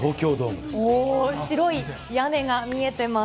おー、白い屋根が見えてます。